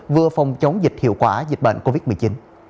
vừa phòng chống dịch hiệu quả dịch bệnh covid một mươi chín